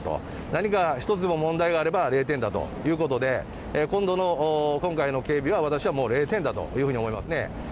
何か１つでも問題があれば、０点だということで、今回の警備は、私はもう０点だというふうに思いますね。